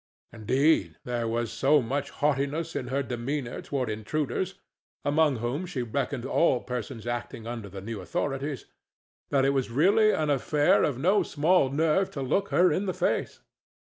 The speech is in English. Indeed, there was so much haughtiness in her demeanor toward intruders—among whom she reckoned all persons acting under the new authorities—that it was really an affair of no small nerve to look her in the face.